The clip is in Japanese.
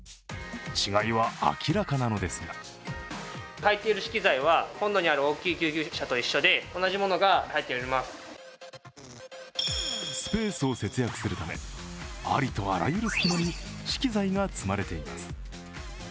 違いは明らかなのですがスペースを節約するためありとあらゆる隙間に資機材が積まれています。